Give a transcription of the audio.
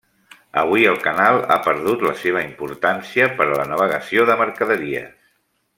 Avui el canal ha perdut la seva importància per a la navegació de mercaderies.